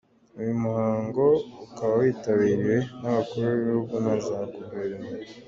Uyu muhango ukaba witabiriwe n’abakuru b’ ibihugu na za Guverinoma.